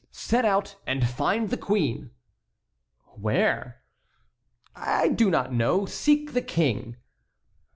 "Set out and find the queen." "Where?" "I do not know—seek the king."